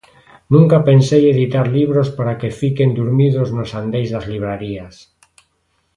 Nunca pensei editar libros para que fiquen durmidos nos andeis das librarías.